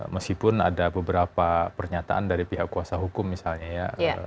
meskipun ada beberapa pernyataan dari pihak kuasa hukum misalnya ya